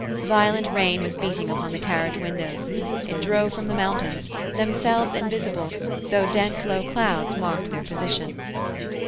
Violent rain was beating upon the carriage windows; it drove from the mountains, themselves invisible, though dense low clouds marked their position.